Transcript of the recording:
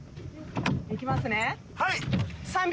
行きますね。